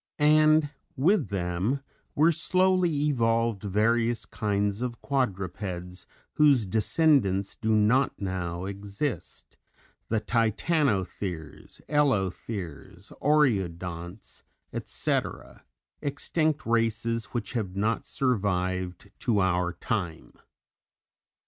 And with them were slowly evolved various kinds of quadrupeds whose descendants do not now exist, the Titanotheres, Elotheres, Oreodonts, etc., extinct races which have not survived to our time.